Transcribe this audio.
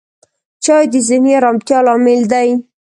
چای د ذهني آرامتیا لامل دی